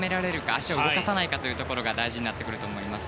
足を動かさないかが大事になってくると思います。